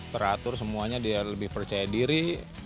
teratur semuanya dia lebih percaya diri